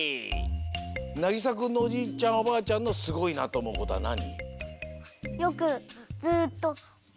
なぎさくんのおじいちゃんおばあちゃんのすごいなとおもうことはなに？